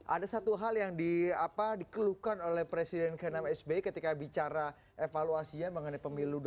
ada satu hal yang dikeluhkan oleh presiden kmhb ketika bicara evaluasinya mengenai pemilu dua ribu sembilan belas